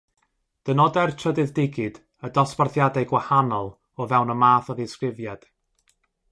Dynodai'r trydydd digid y dosbarthiadau gwahanol o fewn y math o ddisgrifiad.